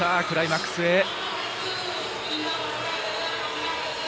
クライマックスへ。